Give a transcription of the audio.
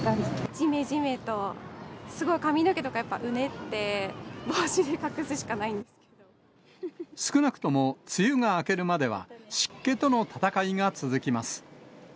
じめじめと、すごい髪の毛とかやっぱうねって、帽子で隠すし少なくとも、梅雨が明けるまでは湿気との戦いが続きます。